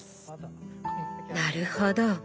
なるほど。